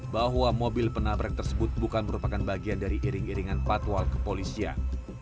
bahwa mobil penabrak tersebut bukan merupakan bagian dari iring iringan patwal kepolisian